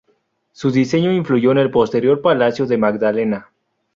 Su diseño influyó en el posterior palacio de la Magdalena.